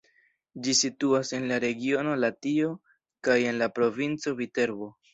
Ĝi situas en la regiono Latio kaj en la provinco Viterbo.